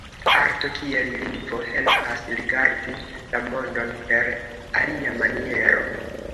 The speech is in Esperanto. Arto kiel lingvo helpas rigardi la mondon per alia maniero.